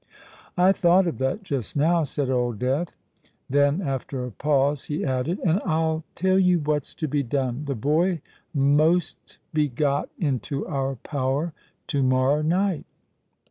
"I thought of that just now," said Old Death: then, after a pause, he added, "And I'll tell you what's to be done. The boy most be got into our power to morrow night."